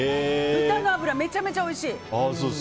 豚の脂めちゃめちゃおいしい。